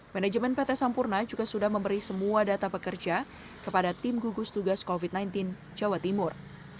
manajemen pt sampurna juga sudah memberi semua data pekerja kepada tim gugus tugas covid sembilan belas jawa timur